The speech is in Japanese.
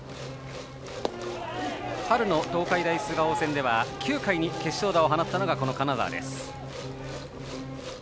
春の東海大菅生戦では９回に決勝打を放ったのがこの金澤です。